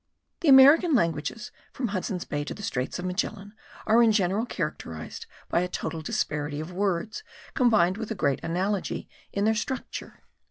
The American languages, from Hudson's Bay to the Straits of Magellan, are in general characterized by a total disparity of words combined with a great analogy in their structure.